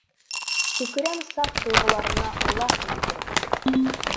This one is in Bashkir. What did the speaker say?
Төкөрәм саф тойғоларына ласт иттереп!